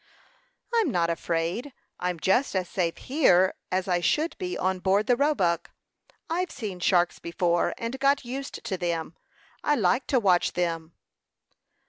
"I'm not afraid. I'm just as safe here as I should be on board the Roebuck. I've seen sharks before, and got used to them. I like to watch them."